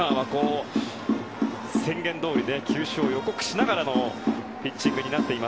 宣言どおり球種を予告しながらのピッチング。